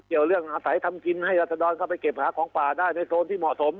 เกี่ยวเรื่องอาศัยทำกินให้รัศดรเข้าไปเก็บหาของป่าได้ในโซนที่เหมาะสม